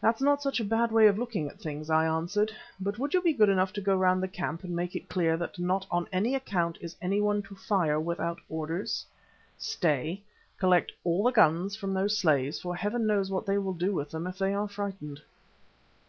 "That's not such a bad way of looking at things," I answered, "but would you be good enough to go round the camp and make it clear that not on any account is anyone to fire without orders. Stay, collect all the guns from those slaves, for heaven knows what they will do with them if they are frightened!"